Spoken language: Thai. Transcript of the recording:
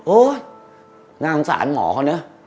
โอ๊ยน่าอำสาหรับหมอเขาเนี่ย